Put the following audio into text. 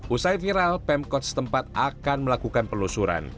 usai viral pemkot setempat akan melakukan pelusuran